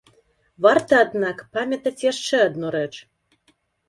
Варта, аднак, памятаць яшчэ адну рэч.